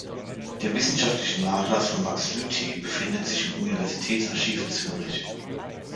Der wissenschaftliche Nachlass von Max Lüthi befindet sich im Universitätsarchiv Zürich.